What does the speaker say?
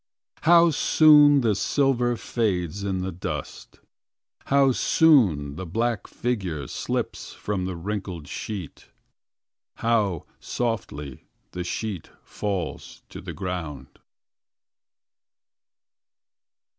How soon the silver fades in the dust ! How soon the black figure slips from the wrinkled sheet How softly the sheet falls to the ground